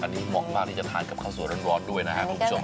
อันนี้มองมากจะทานกับข้าวสวยร้อนด้วยนะครับ